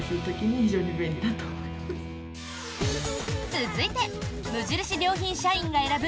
続いて無印良品社員が選ぶ